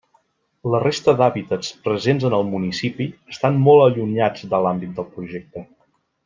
La resta d'hàbitats presents en el municipi estan molt allunyats de l'àmbit del Projecte.